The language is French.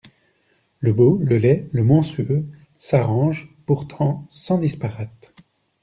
Le beau, le laid, le monstrueux, s'arrangent pourtant sans disparate.